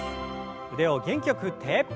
腕を元気よく振って。